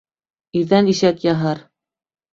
Ирҙән ишәк яһар.